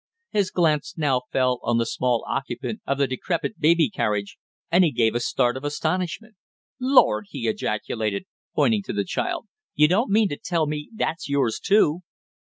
His glance now fell on the small occupant of the decrepit baby carriage, and he gave a start of astonishment. "Lord!" he ejaculated, pointing to the child. "You don't mean to tell me that's yours, too?"